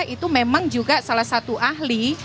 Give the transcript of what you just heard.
itu memang juga salah satu ahli